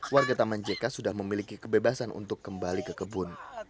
warga taman jk sudah memiliki kebebasan untuk kembali ke kebun